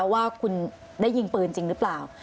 ว่าคุณได้ยิงปืนจริงหรือเปล่า